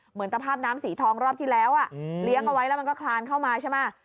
เหมือนตภาพน้ำสีทองรอบที่แล้วเลี้ยงเอาไว้แล้วมันก็คลานเข้ามาใช่ไหม